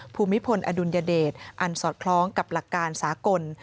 ภูมิพลอดุลยเดชอันสอดคล้องกับหลักการสากล